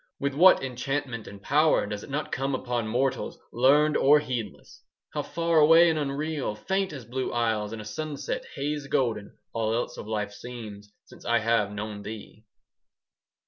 With what enchantment and power Does it not come upon mortals, Learned or heedless! How far away and unreal, 5 Faint as blue isles in a sunset Haze golden, all else of life seems, Since I have known thee!